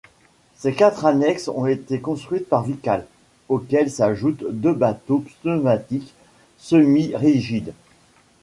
Ses quatre annexes ont été construites par Vikal, auxquelles s'ajoutent deux bateaux pneumatiques semi-rigides.